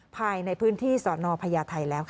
ภายในพื้นที่สนพญาไทยแล้ว